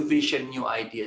vision baru ide baru